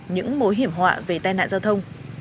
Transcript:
những mối hiểm họa về tai nạn giao thông